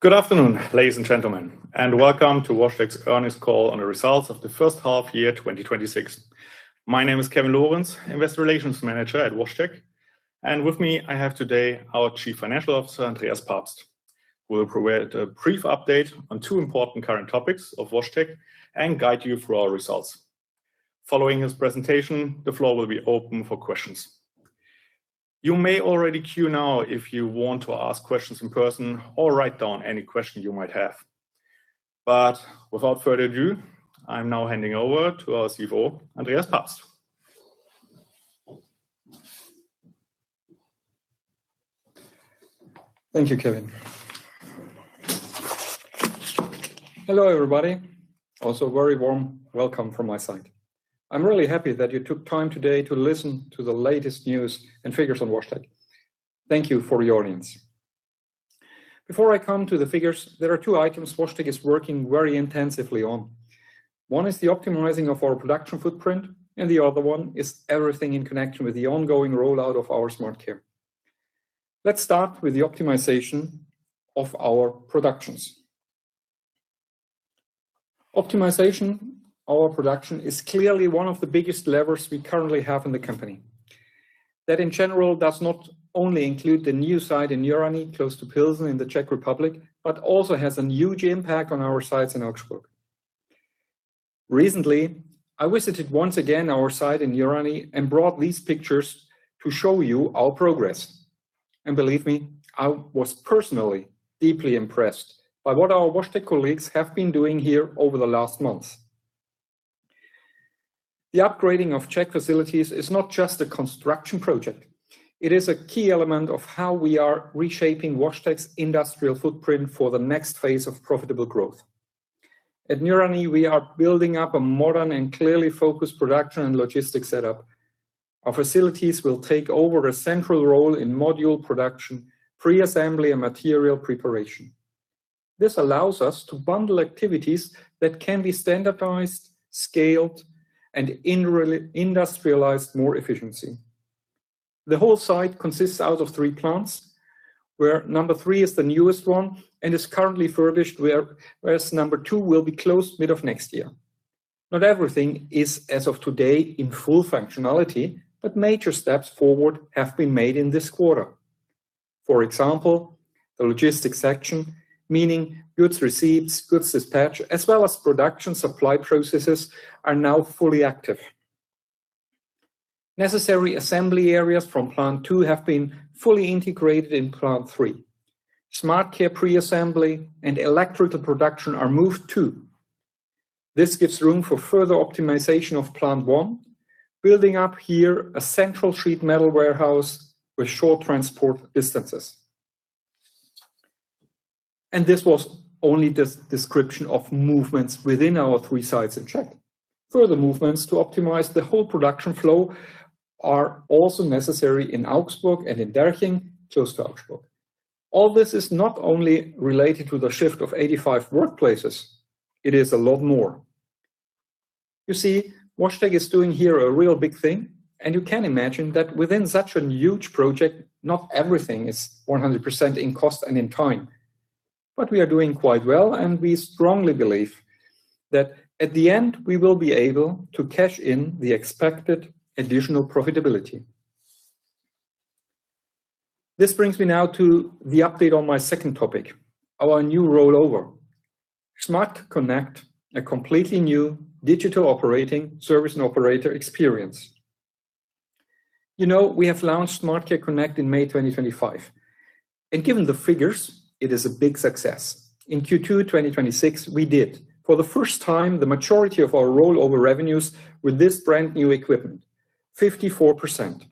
Good afternoon, ladies and gentlemen, and welcome to WashTec's earnings call on the results of the first half year 2026. My name is Kevin Lorenz, Investor Relations Manager at WashTec. With me, I have today our Chief Financial Officer, Andreas Pabst, who will provide a brief update on two important current topics of WashTec and guide you through our results. Following his presentation, the floor will be open for questions. You may already queue now if you want to ask questions in person or write down any questions you might have. Without further ado, I am now handing over to our CFO, Andreas Pabst. Thank you, Kevin. Hello, everybody. Also, very warm welcome from my side. I am really happy that you took time today to listen to the latest news and figures on WashTec. Thank you for your audience. Before I come to the figures, there are two items WashTec is working very intensively on. One is the optimizing of our production footprint, and the other one is everything in connection with the ongoing rollout of our SmartCare. Let us start with the optimization of our productions. Optimization our production is clearly one of the biggest levers we currently have in the company. That, in general, does not only include the new site in Nýřany, close to Plzeň in the Czech Republic, but also has a huge impact on our sites in Augsburg. Recently, I visited once again our site in Nýřany and brought these pictures to show you our progress. Believe me, I was personally deeply impressed by what our WashTec colleagues have been doing here over the last months. The upgrading of Czech facilities is not just a construction project. It is a key element of how we are reshaping WashTec's industrial footprint for the next phase of profitable growth. At Nýřany, we are building up a modern and clearly focused production and logistics setup. Our facilities will take over a central role in module production, pre-assembly, and material preparation. This allows us to bundle activities that can be standardized, scaled, and industrialized more efficiency. The whole site consists out of three plants, where number three is the newest one and is currently furnished, whereas number two will be closed mid of next year. Not everything is as of today in full functionality, but major steps forward have been made in this quarter. For example, the logistics section, meaning goods receipts, goods dispatch, as well as production supply processes, are now fully active. Necessary assembly areas from Plant Two have been fully integrated in Plant Three. SmartCare pre-assembly and electrical production are moved, too. This gives room for further optimization of Plant One, building up here a central sheet metal warehouse with short transport distances. This was only the description of movements within our three sites in Czech. Further movements to optimize the whole production flow are also necessary in Augsburg and in Derching, close to Augsburg. All this is not only related to the shift of 85 workplaces, it is a lot more. You see, WashTec is doing here a real big thing, and you can imagine that within such a huge project, not everything is 100% in cost and in time. We are doing quite well, and we strongly believe that at the end, we will be able to cash in the expected additional profitability. This brings me now to the update on my second topic, our new rollover SmartCare Connect, a completely new digital operating service and operator experience. We have launched SmartCare Connect in May 2025. Given the figures, it is a big success. In Q2 2026, we did, for the first time, the majority of our rollover revenues with this brand new equipment, 54%.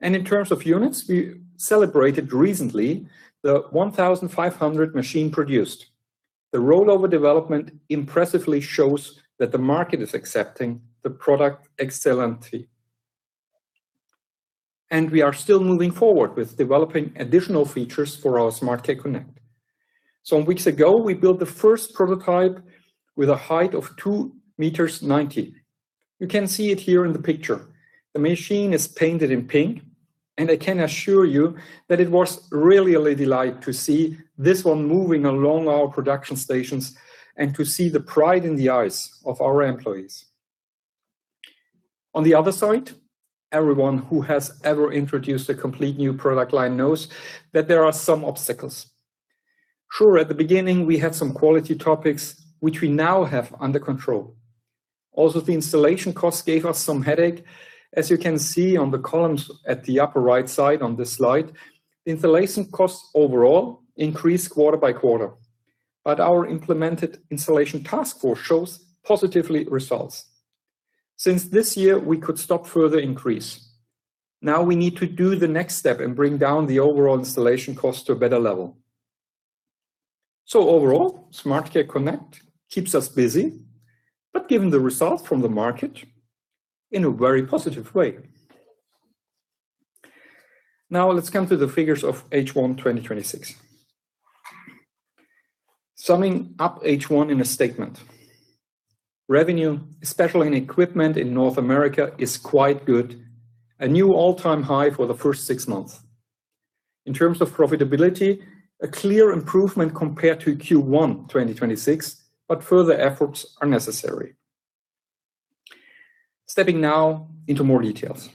In terms of units, we celebrated recently the 1,500 machine produced. The rollover development impressively shows that the market is accepting the product excellently. We are still moving forward with developing additional features for our SmartCare Connect. Some weeks ago, we built the first prototype with a height of 2 m 90. You can see it here in the picture. The machine is painted in pink, and I can assure you that it was really a delight to see this one moving along our production stations and to see the pride in the eyes of our employees. On the other side, everyone who has ever introduced a complete new product line knows that there are some obstacles. Sure, at the beginning, we had some quality topics which we now have under control. The installation costs gave us some headache. As you can see on the columns at the upper right side on this slide, the installation costs overall increased quarter-by-quarter. Our implemented installation task force shows positively results. Since this year, we could stop further increase. We need to do the next step and bring down the overall installation cost to a better level. Overall, SmartCare Connect keeps us busy, but given the results from the market, in a very positive way. Let's come to the figures of H1 2026. Summing up H1 in a statement Revenue, especially in equipment in North America, is quite good. A new all-time high for the first six months. In terms of profitability, a clear improvement compared to Q1 2026, but further efforts are necessary. Stepping now into more details.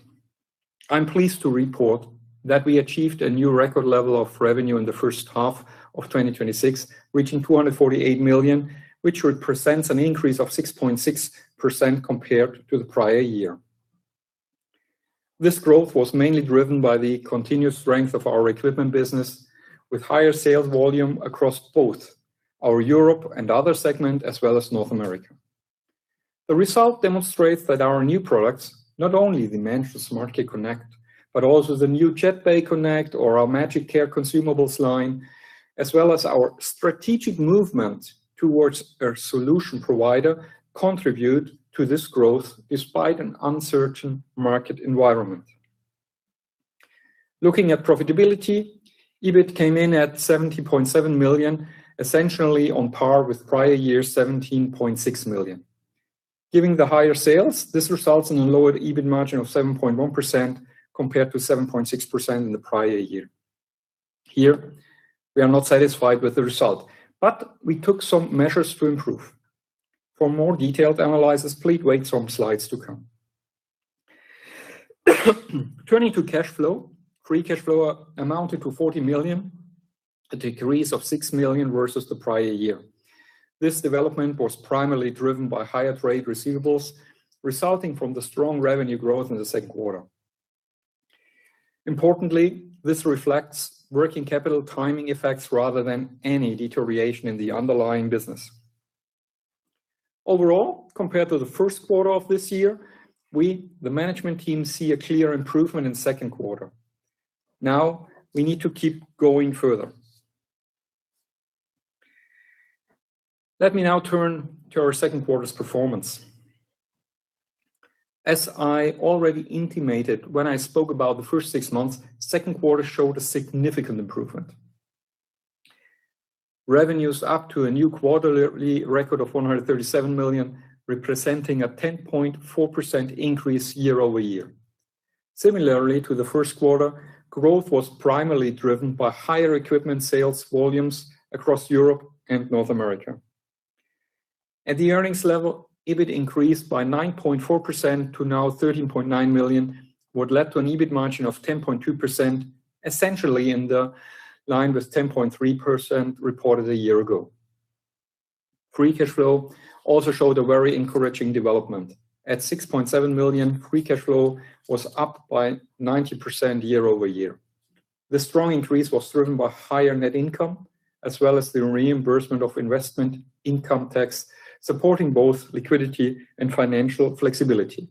I'm pleased to report that we achieved a new record level of revenue in the first half of 2026, reaching 248 million, which represents an increase of 6.6% compared to the prior year. This growth was mainly driven by the continuous strength of our equipment business, with higher sales volume across both our Europe and other segment, as well as North America. The result demonstrates that our new products, not only the MANTRA SmartCare Connect, but also the new JetBay Connect or our MagicCare consumables line, as well as our strategic movement towards a solution provider, contribute to this growth despite an uncertain market environment. Looking at profitability, EBIT came in at 17.7 million, essentially on par with prior year's 17.6 million. Given the higher sales, this results in a lower EBIT margin of 7.1% compared to 7.6% in the prior year. Here, we are not satisfied with the result, but we took some measures to improve. For more detailed analysis, please wait some slides to come. Turning to cash flow, free cash flow amounted to 40 million, a decrease of 6 million versus the prior year. This development was primarily driven by higher trade receivables resulting from the strong revenue growth in the second quarter. This reflects working capital timing effects rather than any deterioration in the underlying business. Compared to the first quarter of this year, we, the management team, see a clear improvement in second quarter. We need to keep going further. Let me now turn to our second quarter's performance. As I already intimated when I spoke about the first six months, second quarter showed a significant improvement. Revenues up to a new quarterly record of 137 million, representing a 10.4% increase year-over-year. Similarly to the first quarter, growth was primarily driven by higher equipment sales volumes across Europe and North America. At the earnings level, EBIT increased by 9.4% to now 13.9 million, what led to an EBIT margin of 10.2%, essentially in line with 10.3% reported a year ago. Free cash flow also showed a very encouraging development. At 6.7 million, free cash flow was up by 90% year-over-year. The strong increase was driven by higher net income as well as the reimbursement of investment income tax, supporting both liquidity and financial flexibility.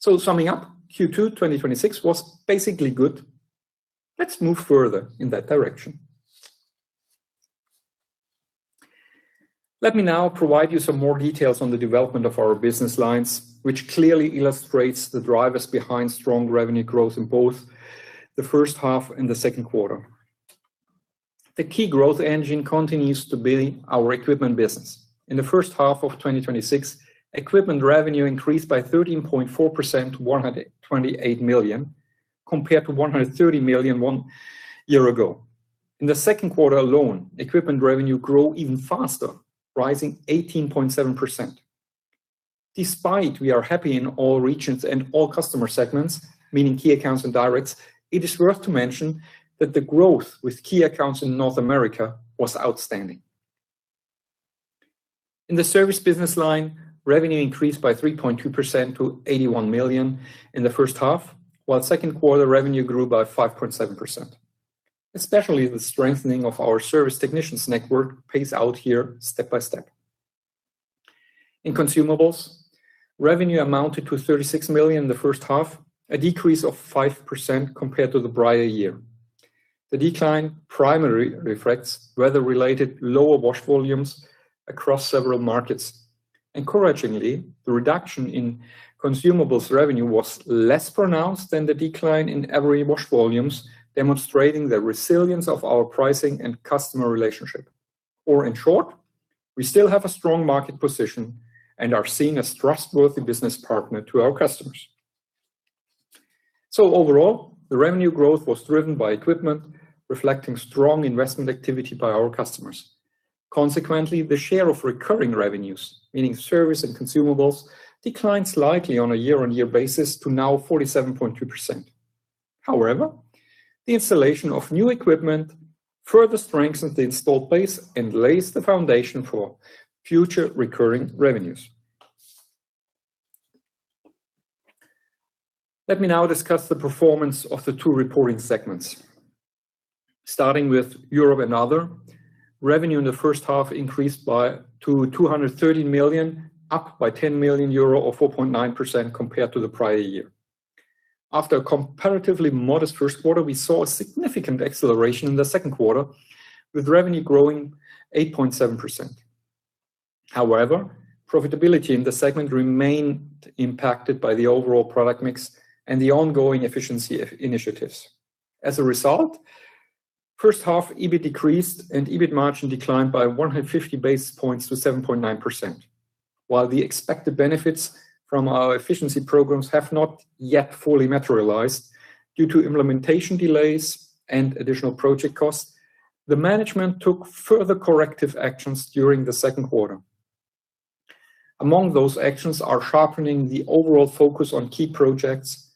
Summing up, Q2 2026 was basically good. Let's move further in that direction. Let me now provide you some more details on the development of our business lines, which clearly illustrates the drivers behind strong revenue growth in both the first half and the second quarter. The key growth engine continues to be our equipment business. In the first half of 2026, equipment revenue increased by 13.4% to 128 million, compared to 130 million one year ago. In the second quarter alone, equipment revenue grew even faster, rising 18.7%. Despite we are happy in all regions and all customer segments, meaning key accounts and directs, it is worth to mention that the growth with key accounts in North America was outstanding. In the service business line, revenue increased by 3.2% to 81 million in the first half, while second quarter revenue grew by 5.7%. Especially the strengthening of our service technicians network pays out here step by step. In consumables, revenue amounted to 36 million in the first half, a decrease of 5% compared to the prior year. The decline primarily reflects weather-related lower wash volumes across several markets. Encouragingly, the reduction in consumables revenue was less pronounced than the decline in every wash volumes, demonstrating the resilience of our pricing and customer relationship. In short, we still have a strong market position and are seen as trustworthy business partner to our customers. Overall, the revenue growth was driven by equipment, reflecting strong investment activity by our customers. Consequently, the share of recurring revenues, meaning service and consumables, declined slightly on a year-on-year basis to now 47.2%. The installation of new equipment further strengthens the installed base and lays the foundation for future recurring revenues. Let me now discuss the performance of the two reporting segments. Starting with Europe and other, revenue in the first half increased to 230 million, up by 10 million euro or 4.9% compared to the prior year. After a comparatively modest first quarter, we saw a significant acceleration in the second quarter with revenue growing 8.7%. Profitability in the segment remained impacted by the overall product mix and the ongoing efficiency initiatives. First half EBIT decreased and EBIT margin declined by 150 basis points to 7.9%. While the expected benefits from our efficiency programs have not yet fully materialized due to implementation delays and additional project costs, the management took further corrective actions during the second quarter. Among those actions are sharpening the overall focus on key projects,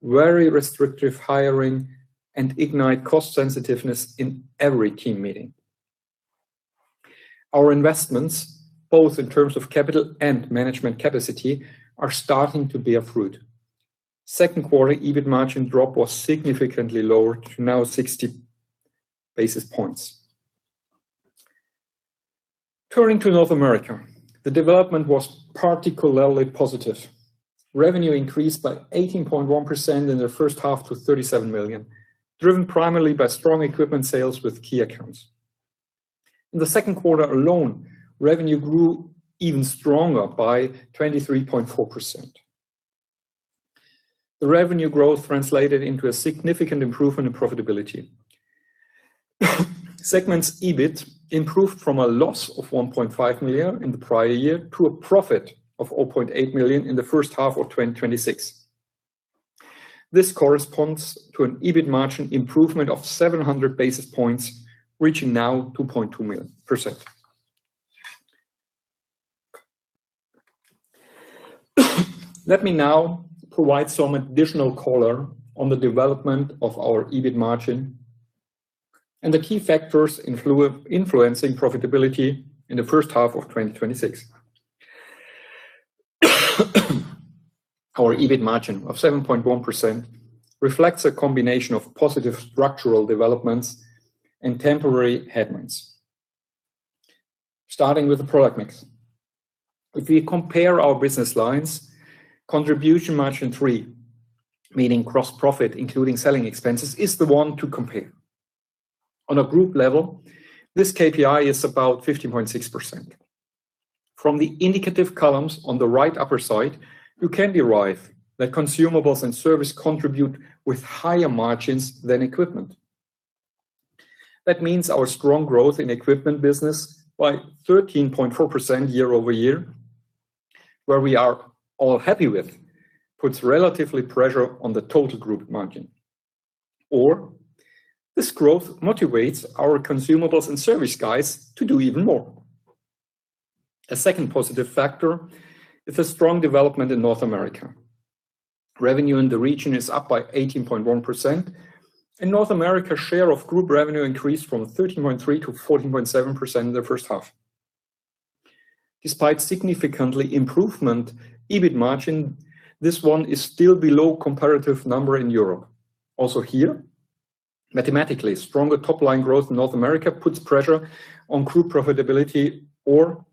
very restrictive hiring, and ignite cost sensitiveness in every team meeting. Our investments, both in terms of capital and management capacity, are starting to bear fruit. Second quarter EBIT margin drop was significantly lower to now 60 basis points. Turning to North America, the development was particularly positive. Revenue increased by 18.1% in the first half to 37 million, driven primarily by strong equipment sales with key accounts. In the second quarter alone, revenue grew even stronger by 23.4%. The revenue growth translated into a significant improvement in profitability. Segment's EBIT improved from a loss of 1.5 million in the prior year to a profit of 0.8 million in the first half of 2026. This corresponds to an EBIT margin improvement of 700 basis points, reaching now 2.2%. Let me now provide some additional color on the development of our EBIT margin and the key factors influencing profitability in the first half of 2026. Our EBIT margin of 7.1% reflects a combination of positive structural developments and temporary headwinds. Starting with the product mix. If we compare our business lines, contribution margin three, meaning gross profit, including selling expenses, is the one to compare. On a group level, this KPI is about 15.6%. From the indicative columns on the right upper side, you can derive that consumables and service contribute with higher margins than equipment. Our strong growth in equipment business by 13.4% year-over-year, where we are all happy with, puts relatively pressure on the total group margin. This growth motivates our consumables and service guys to do even more. A second positive factor is a strong development in North America. Revenue in the region is up by 18.1%, and North America share of group revenue increased from 13.3%-14.7% in the first half. Despite significant improvement, EBIT margin, this one is still below comparative number in Europe. Here, mathematically stronger top-line growth in North America puts pressure on group profitability, or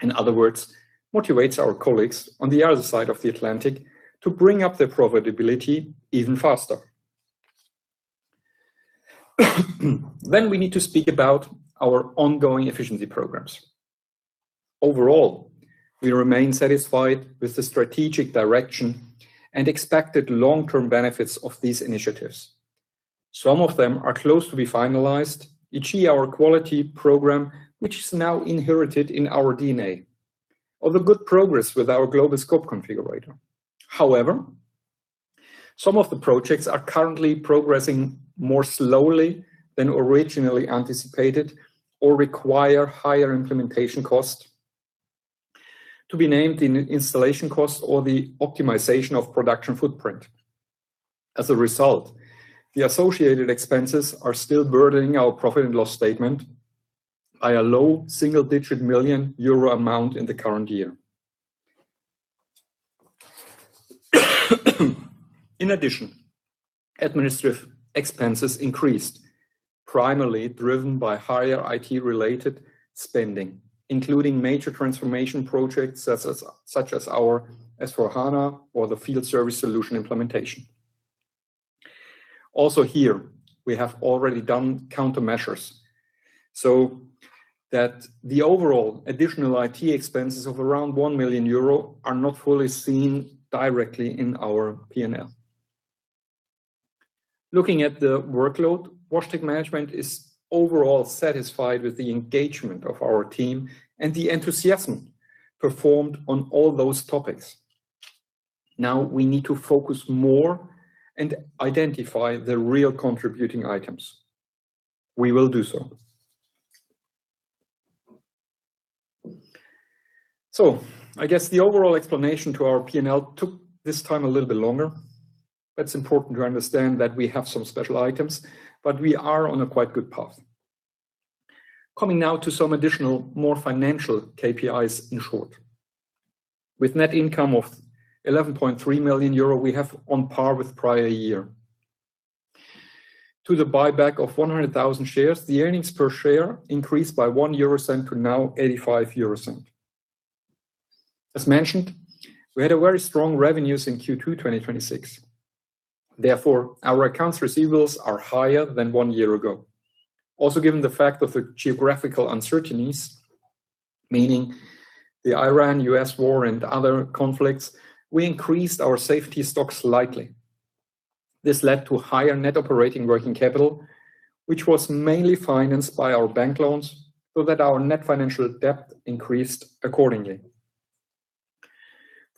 in other words, motivates our colleagues on the other side of the Atlantic to bring up their profitability even faster. We need to speak about our ongoing efficiency programs. Overall, we remain satisfied with the strategic direction and expected long-term benefits of these initiatives. Some of them are close to be finalized, e.g., our quality program, which is now inherited in our DNA. We made other good progress with our global scope configurator. Some of the projects are currently progressing more slowly than originally anticipated or require higher implementation cost, to be named installation cost or the optimization of production footprint. As a result, the associated expenses are still burdening our profit and loss statement by a low single-digit million euro amount in the current year. Administrative expenses increased, primarily driven by higher IT-related spending, including major transformation projects such as our S/4HANA or the field service solution implementation. Here, we have already done countermeasures, so that the overall additional IT expenses of around 1 million euro are not fully seen directly in our P&L. Looking at the workload, WashTec management is overall satisfied with the engagement of our team and the enthusiasm performed on all those topics. Now we need to focus more and identify the real contributing items. We will do so. I guess the overall explanation to our P&L took this time a little bit longer. That is important to understand that we have some special items, but we are on a quite good path. Coming now to some additional, more financial KPIs in short. With net income of 11.3 million euro, we have on par with prior year. To the buyback of 100,000 shares, the earnings per share increased by 0.01 to now 0.85. As mentioned, we had very strong revenues in Q2 2026. Therefore, our accounts receivables are higher than one year ago. Also, given the fact of the geographical uncertainties, meaning the Iran-U.S. war and other conflicts, we increased our safety stock slightly. This led to higher net operating working capital, which was mainly financed by our bank loans, so that our net financial debt increased accordingly.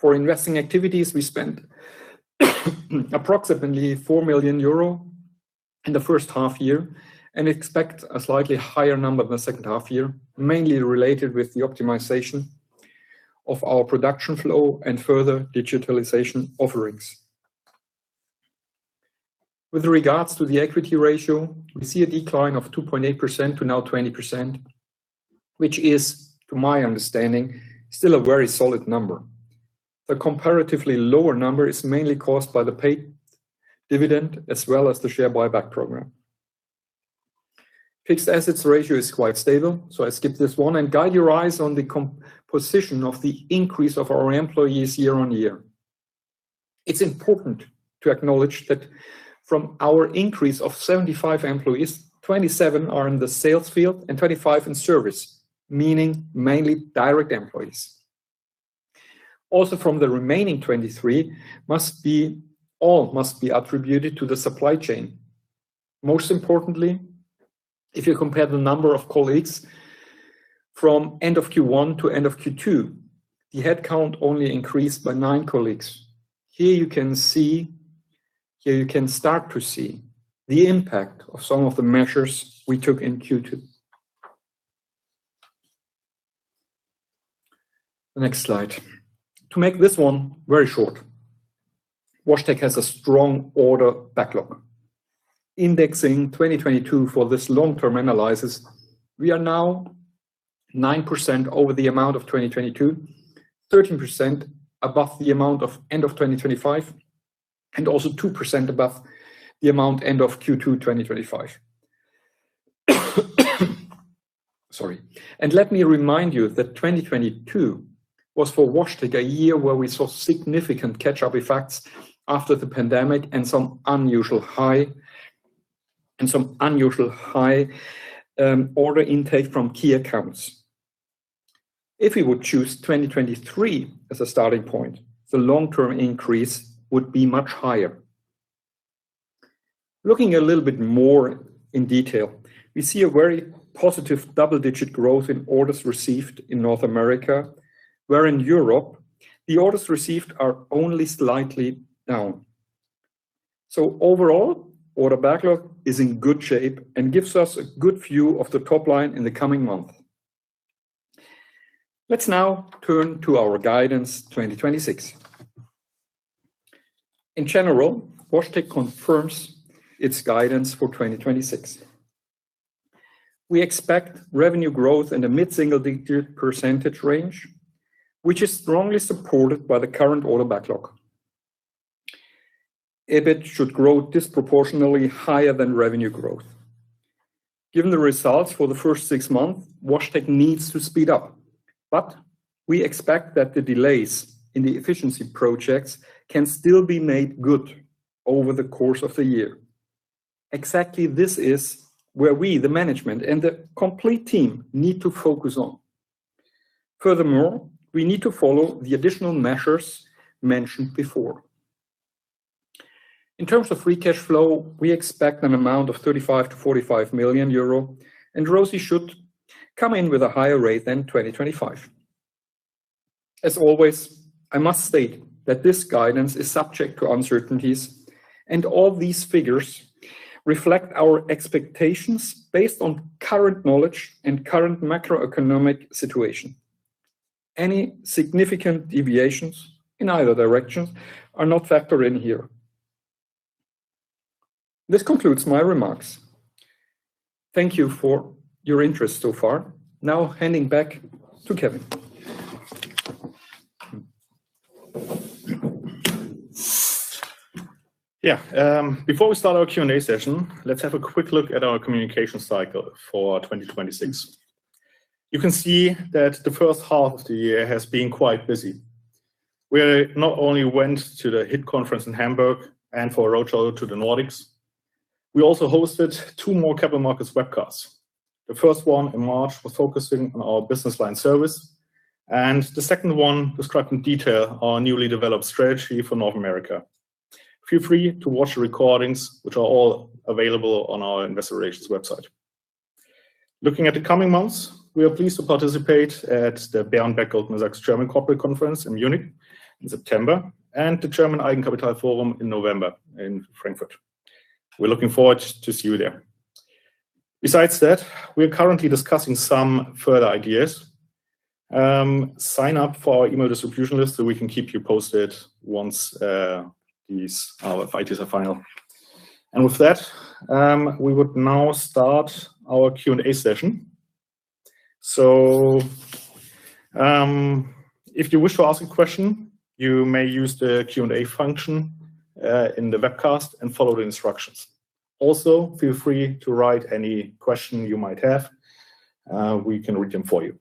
For investing activities, we spent approximately 4 million euro in the first half year, and expect a slightly higher number in the second half year, mainly related with the optimization of our production flow and further digitalization offerings. With regards to the equity ratio, we see a decline of 2.8% to now 20%, which is, to my understanding, still a very solid number. The comparatively lower number is mainly caused by the paid dividend as well as the share buyback program. Fixed assets ratio is quite stable, I skip this one and guide your eyes on the composition of the increase of our employees year-over-year. It is important to acknowledge that from our increase of 75 employees, 27 are in the sales field and 25 in service, meaning mainly direct employees. Also from the remaining 23, all must be attributed to the supply chain. Most importantly, if you compare the number of colleagues from end of Q1 to end of Q2, the headcount only increased by nine colleagues. Here you can start to see the impact of some of the measures we took in Q2. Next slide. To make this one very short, WashTec has a strong order backlog. Indexing 2022 for this long-term analysis, we are now 9% over the amount of 2022, 13% above the amount of end of 2025, and also 2% above the amount end of Q2 2025. Sorry. Let me remind you that 2022 was for WashTec a year where we saw significant catch-up effects after the pandemic and some unusual high order intake from key accounts. If we would choose 2023 as a starting point, the long-term increase would be much higher. Looking a little bit more in detail, we see a very positive double-digit growth in orders received in North America, where in Europe, the orders received are only slightly down. Overall, order backlog is in good shape and gives us a good view of the top line in the coming month. Let us now turn to our guidance 2026. In general, WashTec confirms its guidance for 2026. We expect revenue growth in the mid-single digit percentage range, which is strongly supported by the current order backlog. EBIT should grow disproportionately higher than revenue growth. Given the results for the first six months, WashTec needs to speed up, but we expect that the delays in the efficiency projects can still be made good over the course of the year. Exactly this is where we, the management and the complete team, need to focus on. Furthermore, we need to follow the additional measures mentioned before. In terms of free cash flow, we expect an amount of 35 million-45 million euro, and ROCE should come in with a higher rate than 2025. As always, I must state that this guidance is subject to uncertainties. All these figures reflect our expectations based on current knowledge and current macroeconomic situation. Any significant deviations in either direction are not factored in here. This concludes my remarks. Thank you for your interest so far. Now handing back to Kevin. Before we start our Q&A session, let's have a quick look at our communication cycle for 2026. You can see that the first half of the year has been quite busy. We not only went to the HIT Conference in Hamburg and for Roadshow to the Nordics, we also hosted two more capital markets webcasts. The first one in March was focusing on our business line service, and the second one described in detail our newly developed strategy for North America. Feel free to watch the recordings, which are all available on our investor relations website. Looking at the coming months, we are pleased to participate at the Berenberg Goldman Sachs German Corporate Conference in Munich in September and the Deutsches Eigenkapitalforum in November in Frankfurt. We are looking forward to see you there. Besides that, we are currently discussing some further ideas. Sign up for our email distribution list so we can keep you posted once our ideas are final. With that, we would now start our Q&A session. If you wish to ask a question, you may use the Q&A function in the webcast and follow the instructions. Also, feel free to write any question you might have. We can read them for you.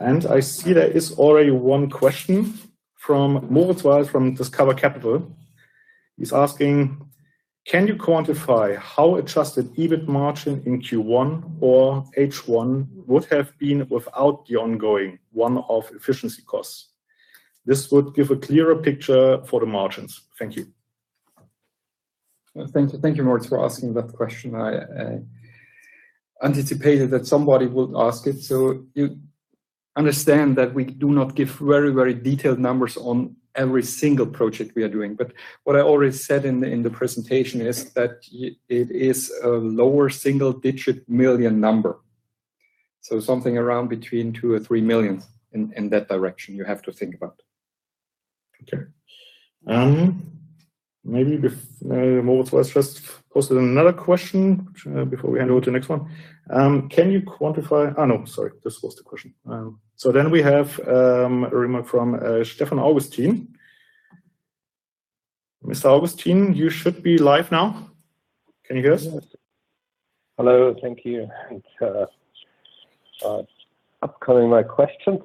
I see there is already one question from Moritz Walz from Discover Capital. He is asking: Can you quantify how adjusted EBIT margin in Q1 or H1 would have been without the ongoing one-off efficiency costs? This would give a clearer picture for the margins. Thank you. Thank you, Moritz, for asking that question. I anticipated that somebody would ask it. You understand that we do not give very detailed numbers on every single project we are doing. What I already said in the presentation is that it is a lower single-digit million number. Something around between 2 million and 3 million, in that direction, you have to think about. Okay. Maybe if Moritz Walz first posted another question before we hand over to the next one. Can you quantify Oh, no, sorry, this was the question. We have a remark from Stefan Augustin. Mr. Augustin, you should be live now. Can you hear us? Hello. Thank you. Thanks for upcoming my questions.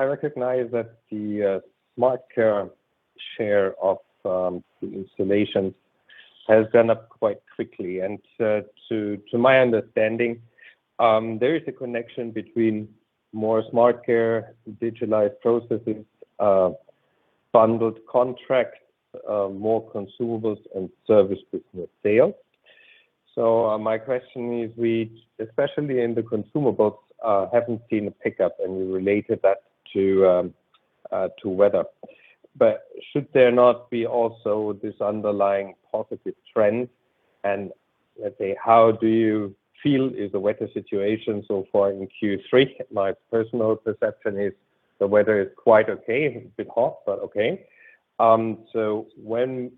I recognize that the SmartCare share of the installations has gone up quite quickly. To my understanding, there is a connection between more SmartCare, digitalized processes, bundled contracts, more consumables and service business sales. My question is, especially in the consumables, haven't seen a pickup and you related that to weather. Should there not be also this underlying positive trend? Let's say, how do you feel is the weather situation so far in Q3? My personal perception is the weather is quite okay. A bit hot, but okay. When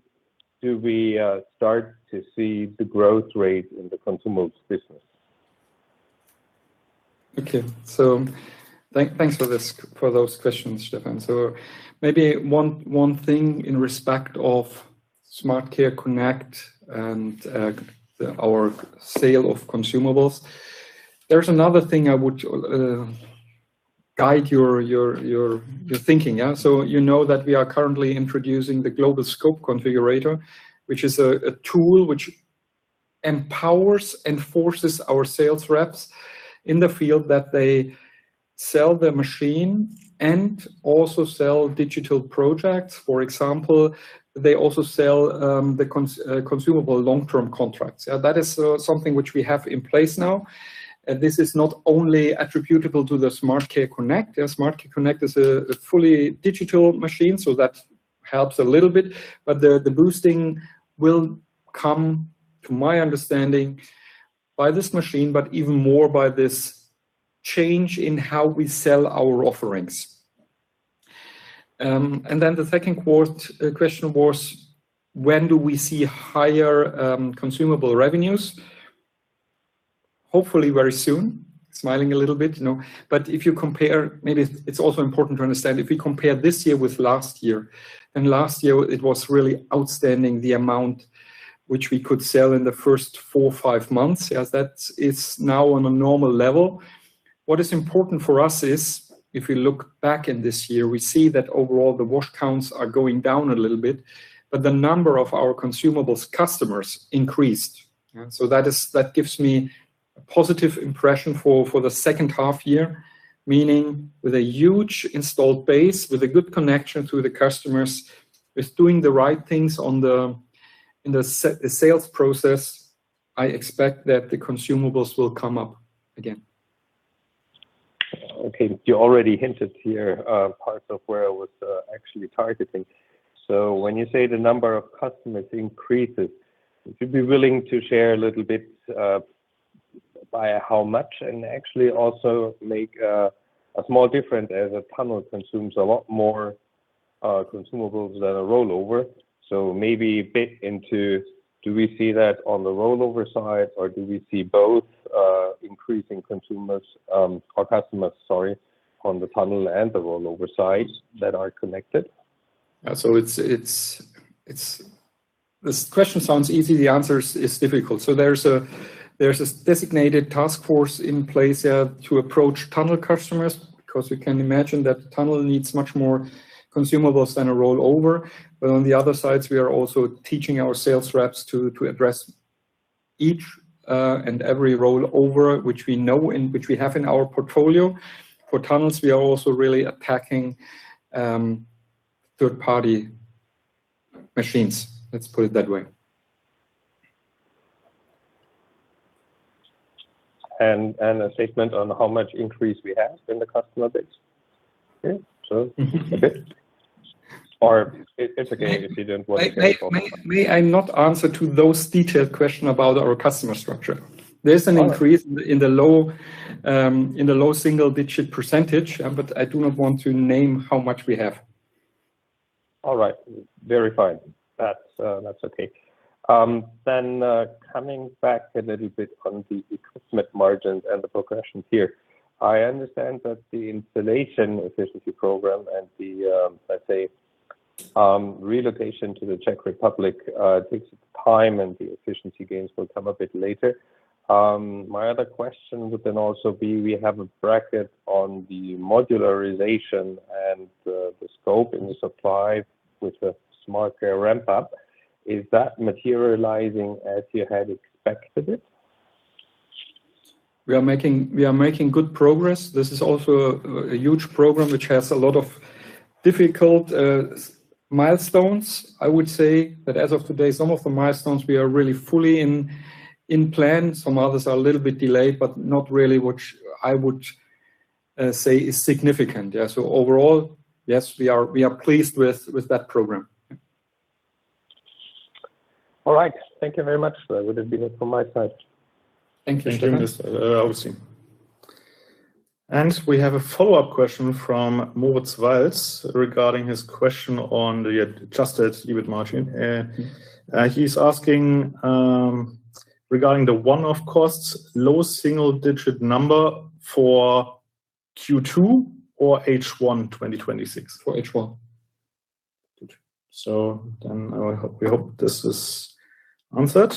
do we start to see the growth rate in the consumables business? Okay. Thanks for those questions, Stefan. Maybe one thing in respect of SmartCare Connect and our sale of consumables. There's another thing I would guide your thinking. You know that we are currently introducing the global scope configurator, which is a tool which empowers, enforces our sales reps in the field that they sell the machine and also sell digital projects. For example, they also sell the consumable long-term contracts. That is something which we have in place now. This is not only attributable to the SmartCare Connect. SmartCare Connect is a fully digital machine, that helps a little bit. The boosting will come, to my understanding, by this machine, but even more by this change in how we sell our offerings. The second question was, when do we see higher consumable revenues? Hopefully very soon. Smiling a little bit. If you compare, maybe it's also important to understand, if we compare this year with last year, and last year it was really outstanding the amount which we could sell in the first four or five months. As that is now on a normal level. What is important for us is, if we look back in this year, we see that overall the wash counts are going down a little bit, but the number of our consumables customers increased. That gives me a positive impression for the second half year, meaning with a huge installed base, with a good connection to the customers, with doing the right things in the sales process, I expect that the consumables will come up again. Okay. You already hinted here parts of where I was actually targeting. When you say the number of customers increases, would you be willing to share a little bit by how much and actually also make a small difference as a tunnel consumes a lot more consumables than a rollover? Maybe a bit into, do we see that on the rollover side, or do we see both increasing customers on the tunnel and the rollover sides that are connected? The question sounds easy, the answer is difficult. There's a designated task force in place to approach tunnel customers, because we can imagine that tunnel needs much more consumables than a rollover. On the other side, we are also teaching our sales reps to address each and every rollover which we know and which we have in our portfolio. For tunnels, we are also really attacking third-party machines, let's put it that way. A statement on how much increase we have in the customer base? Okay. It's okay if you don't want to say. May I not answer to those detailed questions about our customer structure? There's an increase in the low single-digit percentage, but I do not want to name how much we have. All right. Very fine. That's okay. Coming back a little bit on the equipment margins and the progressions here. I understand that the installation efficiency program and the relocation to the Czech Republic takes time and the efficiency gains will come a bit later. My other question would then also be, we have a bracket on the modularization and the scope and the supply with the SmartCare ramp-up. Is that materializing as you had expected it? We are making good progress. This is also a huge program, which has a lot of difficult milestones. I would say that as of today, some of the milestones we are really fully in plan. Some others are a little bit delayed, but not really, which I would say is significant. Yeah. Overall, yes, we are pleased with that program. All right. Thank you very much. That would have been it from my side. Thank you, Stefan. Thank you, Mr. Augustin. We have a follow-up question from Moritz Walz regarding his question on the adjusted EBIT margin. He's asking regarding the one-off costs, low single-digit number for Q2 or H1 2026? For H1. Good. We hope this is answered.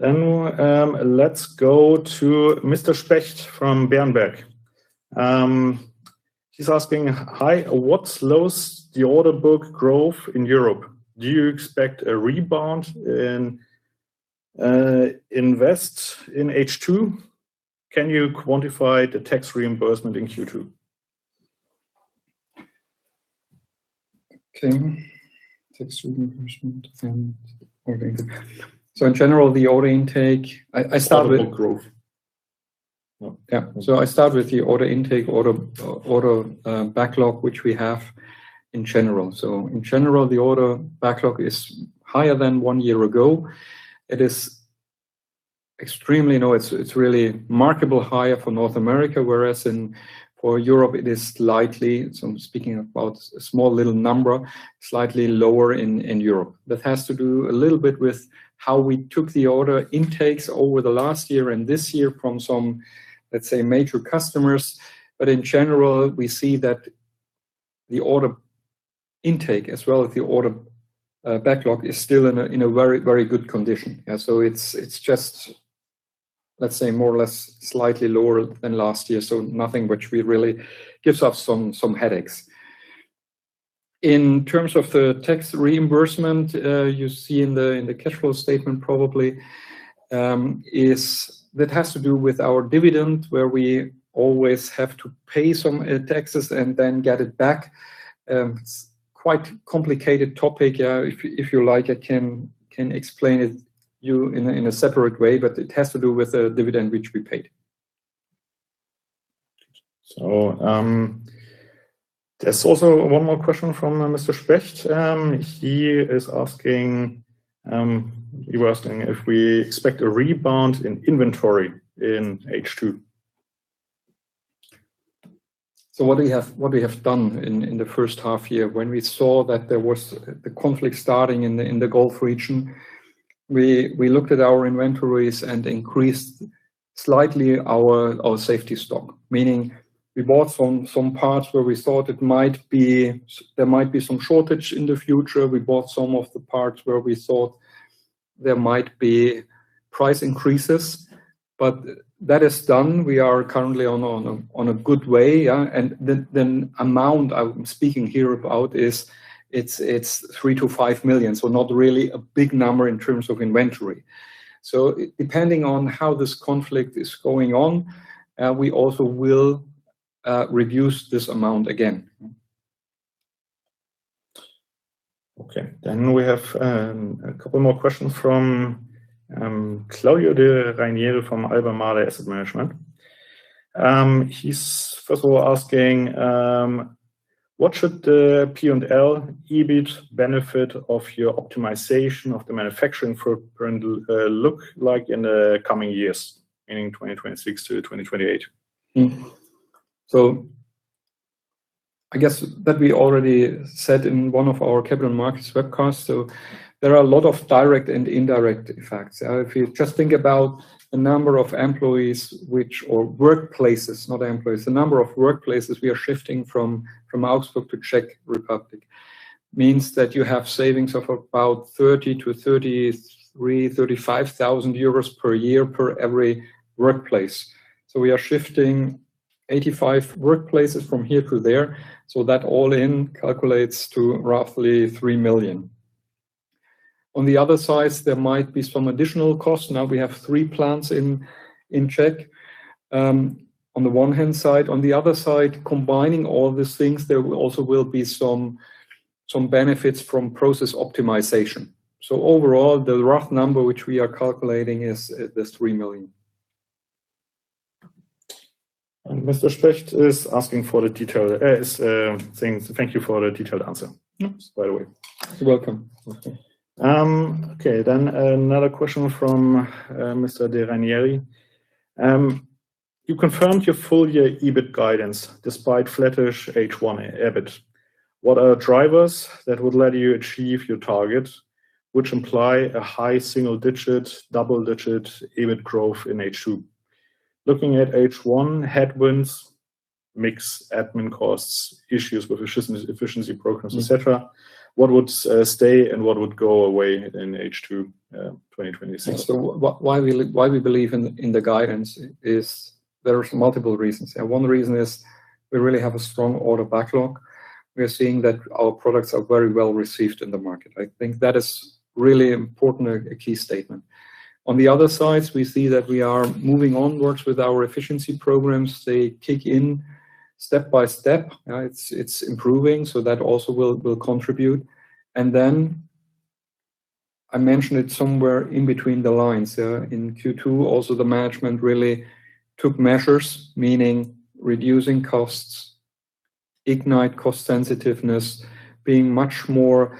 Let's go to Mr. Specht from Berenberg. He's asking, Hi, what slows the order book growth in Europe? Do you expect a rebound in invest in H2? Can you quantify the tax reimbursement in Q2? Tax reimbursement. In general, the order intake, I start with. Order book growth. I start with the order intake, order backlog, which we have in general. In general, the order backlog is higher than one year ago. It's really markedly higher for North America, whereas for Europe it is slightly, so I'm speaking about a small little number, slightly lower in Europe. That has to do a little bit with how we took the order intakes over the last year and this year from some, let's say, major customers. In general, we see that the order intake as well as the order backlog is still in a very good condition. It's just, let's say, more or less slightly lower than last year. Nothing which really gives us some headaches. In terms of the tax reimbursement, you see in the cash flow statement probably, that has to do with our dividend where we always have to pay some taxes and then get it back. It's quite a complicated topic. If you like, I can explain it you in a separate way, it has to do with the dividend which we paid. There is also one more question from Mr. Specht. He was asking if we expect a rebound in inventory in H2. What we have done in the first half-year, when we saw that there was the conflict starting in the Gulf region, we looked at our inventories and increased slightly our safety stock, meaning we bought some parts where there might be some shortage in the future. We bought some of the parts where we thought there might be price increases, but that is done. We are currently on a good way. The amount I am speaking here about is, it is 3 million-5 million, not really a big number in terms of inventory. Depending on how this conflict is going on, we also will reduce this amount again. We have a couple more questions from Claudio De Ranieri from Albemarle Asset Management. He is first of all asking, what should the P&L, EBIT benefit of your optimization of the manufacturing footprint look like in the coming years, in 2026-2028? I guess that we already said in one of our Capital on Markets webcasts, there are a lot of direct and indirect effects. If you just think about the number of employees, or workplaces, not employees, the number of workplaces we are shifting from Augsburg to Czech Republic means that you have savings of about 35,000 euros per year per every workplace. We are shifting 85 workplaces from here to there. That all in calculates to roughly 3 million. On the other side, there might be some additional costs. Now we have three plants in Czech. On the one-hand side, on the other side, combining all these things, there also will be some benefits from process optimization. Overall, the rough number which we are calculating is this 3 million. Mr. Specht is asking for the detailed Thank you for the detailed answer. Oops. By the way. You're welcome. Okay. Another question from Mr. De Ranieri. You confirmed your full-year EBIT guidance despite flattish H1 EBIT. What are drivers that would let you achieve your target? Which imply a high single digit, double digit EBIT growth in H2. Looking at H1 headwinds, mix admin costs, issues with efficiency programs, et cetera. What would stay and what would go away in H2 2026? Why we believe in the guidance is there are multiple reasons. One reason is we really have a strong order backlog. We are seeing that our products are very well received in the market. I think that is really important, a key statement. On the other sides, we see that we are moving onwards with our efficiency programs. They kick in step by step. It's improving, that also will contribute. I mentioned it somewhere in between the lines. In Q2 also, the management really took measures, meaning reducing costs, ignite cost sensitiveness, being much more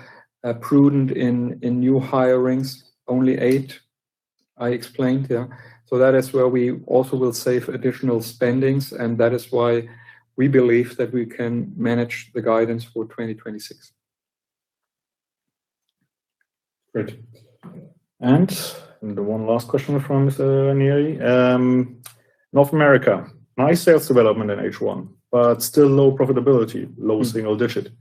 prudent in new hirings. Only eight I explained. That is where we also will save additional spendings, and that is why we believe that we can manage the guidance for 2026. Great. The one last question from Mr. Ranieri. North America, nice sales development in H1, but still low profitability, low single-digit.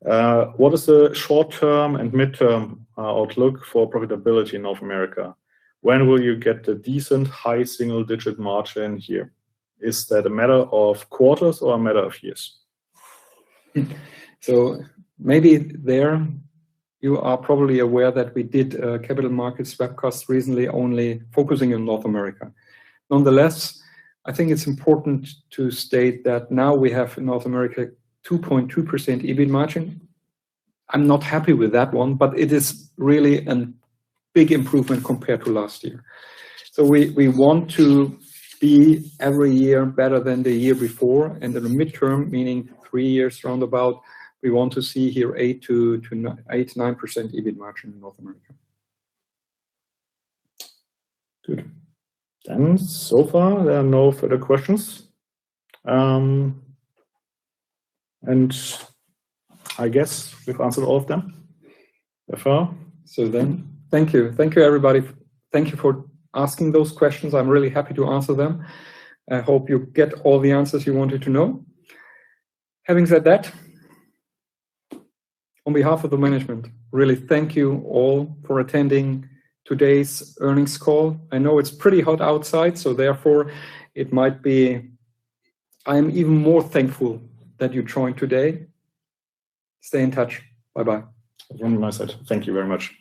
What is the short-term and mid-term outlook for profitability in North America? When will you get a decent high single-digit margin here? Is that a matter of quarters or a matter of years? Maybe there you are probably aware that we did a capital markets webcast recently only focusing on North America. Nonetheless, I think it's important to state that now we have North America 2.2% EBIT margin. I'm not happy with that one, but it is really a big improvement compared to last year. We want to be every year better than the year before. In the mid-term, meaning three years roundabout, we want to see here 8%-9% EBIT margin in North America. Good. So far, there are no further questions. I guess we've answered all of them so far. Thank you. Thank you, everybody. Thank you for asking those questions. I am really happy to answer them. I hope you get all the answers you wanted to know. Having said that, on behalf of the management, really thank you all for attending today's earnings call. I know it is pretty hot outside, so therefore I am even more thankful that you joined today. Stay in touch. Bye-bye. Again, my side. Thank you very much.